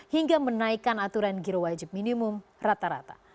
hingga menaikkan aturan giro wajib minimum rata rata